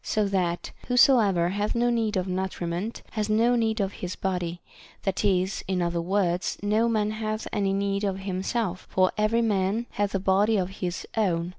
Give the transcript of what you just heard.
so that whosoever hath no need of nutriment has no need of his body ; that is, in other words, no man hath any need of himself, for every man hath a body of his own.